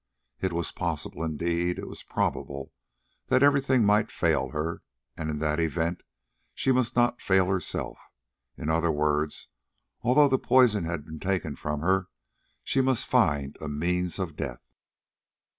It was possible, indeed it was probable, that everything might fail her, and in that event she must not fail herself; in other words, although the poison had been taken from her, she must find a means of death.